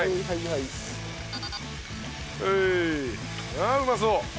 ああうまそう！